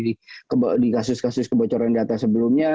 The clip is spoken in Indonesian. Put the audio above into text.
yang pernah bocor di kasus kasus kebocoran data sebelumnya